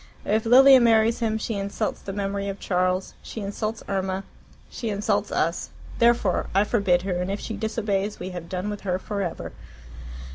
If Lilia marries him she insults the memory of Charles, she insults Irma, she insults us. Therefore I forbid her, and if she disobeys we have done with her for ever."